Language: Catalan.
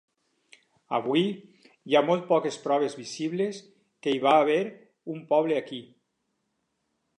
Avui, hi ha molt poques proves visibles que hi va haver un poble aquí.